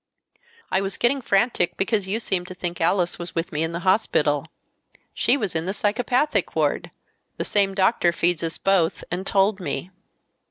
"I was getting frantic because you seemed to think Alice was with me in the hospital. She was in the psychopathic ward. The same doctor feeds us both, and told me.